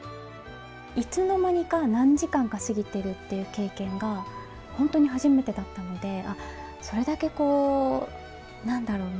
いつの間にか何時間か過ぎてるっていう経験がほんとに初めてだったのでそれだけこう何だろう